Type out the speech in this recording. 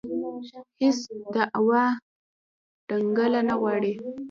هېڅ دعوا دنګله نه غواړي